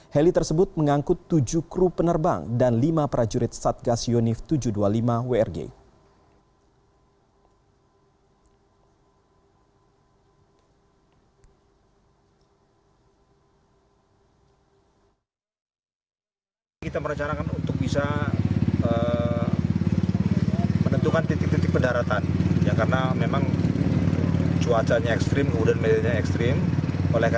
heli tersebut mengangkut tujuh kru penerbang dan lima prajurit satgas yunif tujuh belas